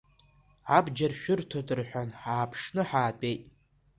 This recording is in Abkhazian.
Абџьар шәырҭоит рҳәан ҳааԥшны ҳаатәеит.